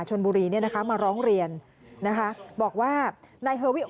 ชนบุรีมาร้องเรียนบอกว่านายเฮอร์วี่